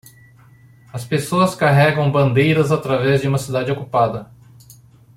As pessoas carregam bandeiras através de uma cidade ocupada